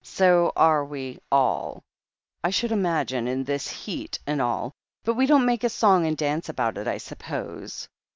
"So are we all, I should imagine, in this heat and all, but we don't make a song and dance about it, I suppose.